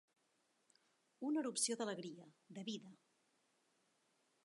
Una erupció d'alegria, de vida.